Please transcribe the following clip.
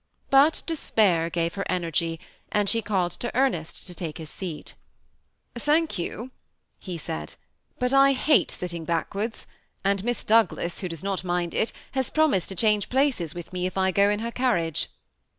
But despair gave her energy, and she called to Ernest to take his seat. " Thank you," he said, " but I hate sitting backwards ; and Miss Douglas, who does not mind it, has promised to change places with me if I go in her carriage."